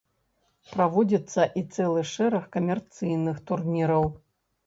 Праводзіцца і цэлы шэраг камерцыйных турніраў.